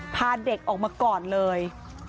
พาเด็กออกมาก่อนเลย